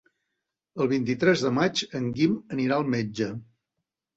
El vint-i-tres de maig en Guim anirà al metge.